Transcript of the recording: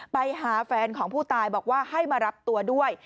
ไปหาแฟนของผู้ตายบอกว่าให้มารับตัวด้วย